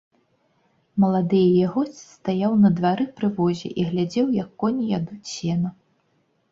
Малады яе госць стаяў на двары пры возе і глядзеў, як коні ядуць сена.